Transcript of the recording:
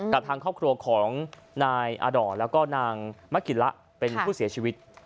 กับทางครอบครัวของนายอาด่อแล้วก็นางมะกิระเป็นผู้เสียชีวิต